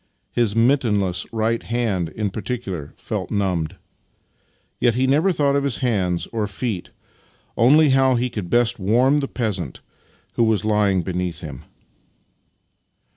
His mittenless right hand in particular felt numbed. Yet he never thought of his hands or feet — only of how he could best warm the peasant who was lying beneath him.